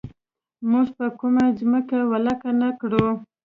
موږ به کومه ځمکه ولکه نه کړو.